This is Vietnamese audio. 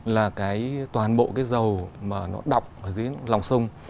là cái toàn bộ cái dầu mà nó đọc ở dưới lòng sông